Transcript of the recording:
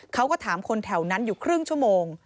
เขาก็ถามคนแถวนั้นอยู่ครึ่งชั่วโมง